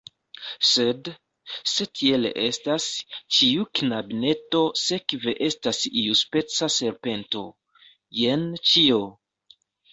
Sed, se tiel estas, ĉiu knabineto sekve estas iuspeca serpento. Jen ĉio!